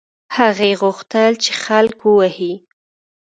هغې غوښتل چې خلک ووهي.